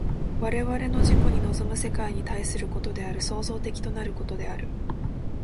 我々の自己に臨む世界に対することである、創造的となることである。